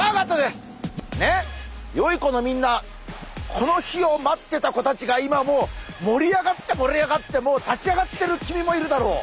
よいこのみんなこの日を待ってた子たちが今もう盛り上がって盛り上がって立ち上がってる君もいるだろう！